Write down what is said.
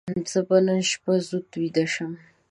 زه به نن شپه زود ویده شم.